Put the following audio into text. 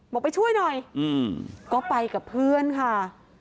บอกไปช่วยหน่อยก็ไปกับเพื่อนค่ะ